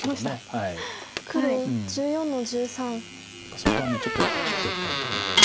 そこはちょっとやっぱり切っておきたいとこなんです。